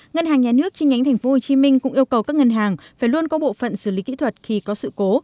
ngân hàng nhà nước chi nhánh tp hcm cũng yêu cầu các ngân hàng phải luôn có bộ phận xử lý kỹ thuật khi có sự cố